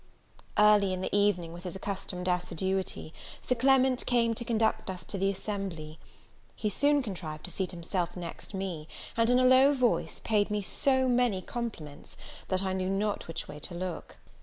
Early in the evening, with his accustomed assiduity, Sir Clement came to conduct us to the assembly. He soon contrived to seat himself next me, and, in a low voice, paid me so many compliments, that I knew not which way to look.